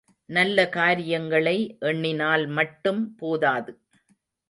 நல்ல காரியங்களை எண்ணினால் மட்டும் போதாது.